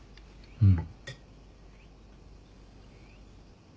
うん。